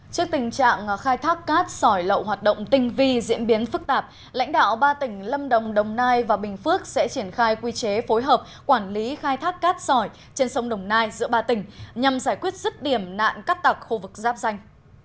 trước tình trạng khai thác cát sỏi lậu hoạt động tinh vi diễn biến phức tạp lãnh đạo ba tỉnh lâm đồng đồng nai và bình phước sẽ triển khai quy chế phối hợp quản lý khai thác cát sỏi trên sông đồng nai giữa ba tỉnh nhằm giải quyết rứt điểm nạn cắt tặc khu vực giáp danh